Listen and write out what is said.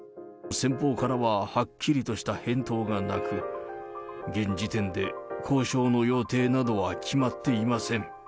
先方からははっきりとした返答がなく、現時点で交渉の予定などは決まっていません。